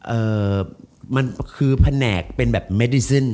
เอ่อมันคือแผนกเป็นแบบเมดิซิน